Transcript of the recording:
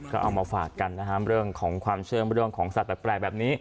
ก็เอามาฝากกันนะครับเรื่องของความเชื่อเรื่องของสัตว์แปลกแบบนี้